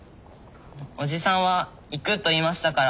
おじさんは行くと言いましたから。